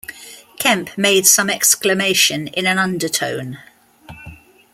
Kemp made some exclamation in an undertone.